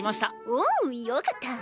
おおよかった。